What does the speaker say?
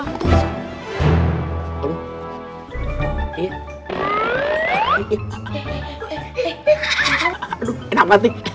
enak banget enak banget